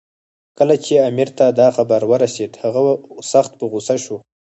کله چې امیر ته دا خبر ورسېد، هغه سخت په غوسه شو.